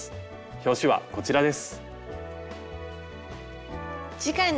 表紙はこちらです。